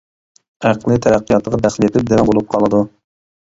ئەقلىي تەرەققىياتىغا دەخلى يېتىپ دىۋەڭ بولۇپ قالىدۇ.